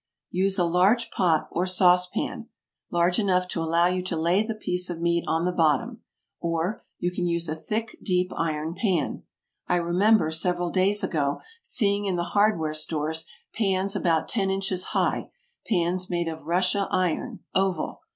Use a large pot or sauce pan, large enough to allow you to lay the piece of meat on the bottom; or, you can use a thick, deep, iron pan. I remember, several days ago, seeing in the hardware stores pans about ten inches high, pans made of Russia iron, oval.